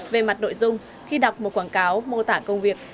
về mặt nội dung khi đọc một quảng cáo mô tả công việc